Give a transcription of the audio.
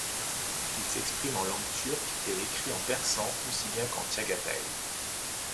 Il s'exprime en langues turques et écrit en persan aussi bien qu'en tchaghataï.